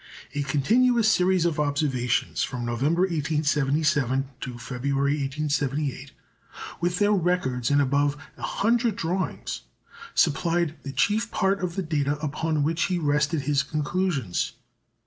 A continuous series of observations, from November, 1877, to February, 1878, with their records in above a hundred drawings, supplied the chief part of the data upon which he rested his conclusions.